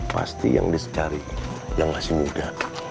pasti yang dicari yang masih muda